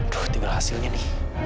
duh tinggal hasilnya nih